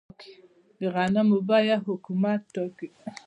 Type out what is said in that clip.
د غنمو بیه حکومت ټاکي؟